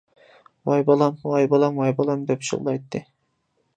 «ۋاي بالام، ۋاي بالام، ۋاي بالام» دەپ يىغلايتتى.